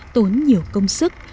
tốn nhiều công sức